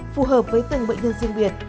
phù hợp với từng bệnh nhân riêng biệt